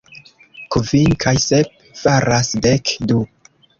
Kvin kaj sep faras dek du.